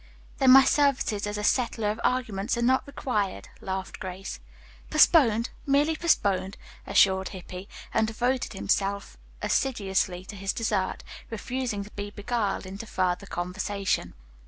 "Then my services as a settler of arguments are not required," laughed Grace. "Postponed, merely postponed," assured Hippy, and devoted himself assiduously to his dessert, refusing to be beguiled into further conversation.